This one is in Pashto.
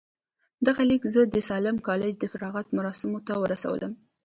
دغه ليک زه د ساليم کالج د فراغت مراسمو ته ورسولم.